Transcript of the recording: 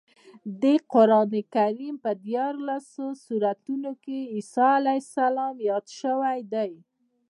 د قرانکریم په دیارلس سورتونو کې عیسی علیه السلام یاد شوی دی.